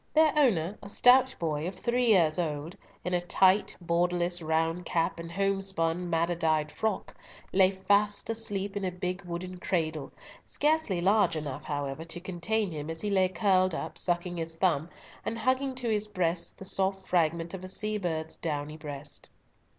Their owner, a stout boy of three years old, in a tight, borderless, round cap, and home spun, madder dyed frock, lay fast asleep in a big wooden cradle, scarcely large enough, however, to contain him, as he lay curled up, sucking his thumb, and hugging to his breast the soft fragment of a sea bird's downy breast.